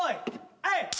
はい。